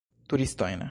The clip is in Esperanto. Turistojn.